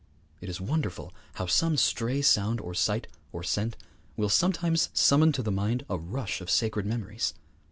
It is wonderful how some stray sound or sight or scent will sometimes summon to the mind a rush of sacred memories.